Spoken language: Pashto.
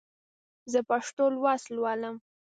زه پښتو لوست لولم.